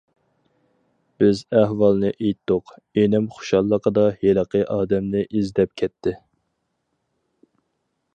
بىز ئەھۋالنى ئېيتتۇق، ئىنىم خۇشاللىقىدا ھېلىقى ئادەمنى ئىزدەپ كەتتى.